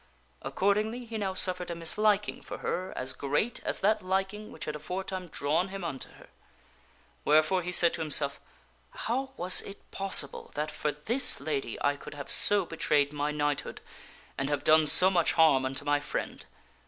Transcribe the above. Accordingly, he now suffered a misliking for her as great as that liking which had aforetime drawn him unto her. Wherefore he said to himself, " How was it possible that for this lady I could have so betrayed my knighthood and have done so much 264 THE STORY OF SIR PELLIAS harm unto my friend!"